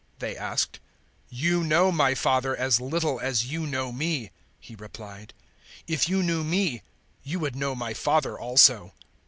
they asked. "You know my Father as little as you know me." He replied; "if you knew me, you would know my Father also."